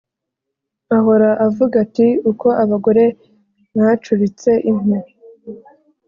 Ahora avuga ati Uko abagore mwacuritse impu,